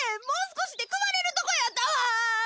もうすこしでくわれるとこやったわ！